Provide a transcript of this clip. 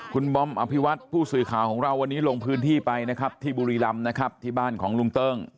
คุณบอมอภิวัตผู้สื่อข่าวของเราวันนี้ลงพื้นที่ไปนะครับที่บุรีรำนะครับที่บ้านของลุงเติ้ง